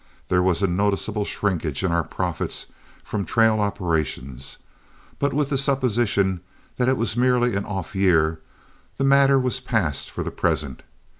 There was a noticeable shrinkage in our profits from trail operations, but with the supposition that it was merely an off year, the matter was passed for the present.